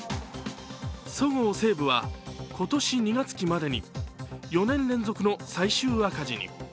そごう・西武は今年２月期までに４年連続の最終赤字に。